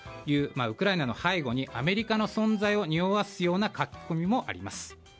ウクライナの背後にアメリカの存在をにおわすような書き込みもあります。